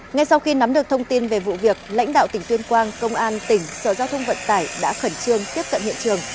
ngay sau khi nắm được thông tin về vụ việc lãnh đạo tỉnh tuyên quang công an tỉnh sở giao thông vận tải đã khẩn trương tiếp cận hiện trường